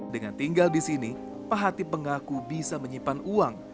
dengan tinggal di sini pak hatip mengaku bisa menyimpan uang